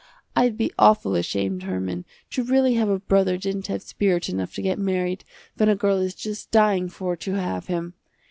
I'd be awful ashamed Herman, to really have a brother didn't have spirit enough to get married, when a girl is just dying for to have him.